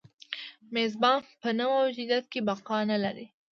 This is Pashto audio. د میزبان په نه موجودیت کې بقا نه لري.